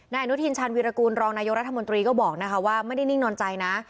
อนุทินชาญวีรกูลรองนายกรัฐมนตรีก็บอกนะคะว่าไม่ได้นิ่งนอนใจนะ